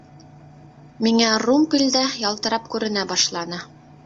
Миңә румпель дә ялтырап күренә башланы.